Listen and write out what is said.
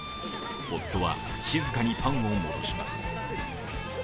夫は静かにパンを戻します。